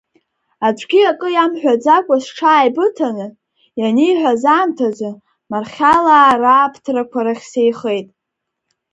Аӡәгьы акы иамҳәаӡакәа сҽааибыҭаны, ианиҳәаз аамҭазы, Мархьалаа рааԥҭрақәа рахь сеихеит.